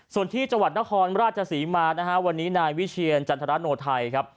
ส่วนที่จังหวัดนครราชศรีมานะฮะวันนี้นายวิเชียรจันทรโนไทยครับ